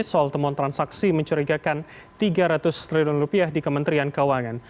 soal temuan transaksi mencurigakan tiga ratus triliun rupiah di kementerian keuangan